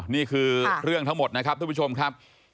นี่คือเรื่องทั้งหมดนะครับทุกผู้ชมครับ